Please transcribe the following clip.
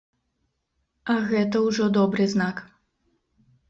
А гэта ўжо добры знак.